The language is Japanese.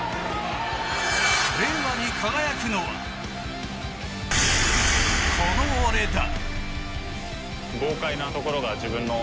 令和に輝くのはこの俺だ。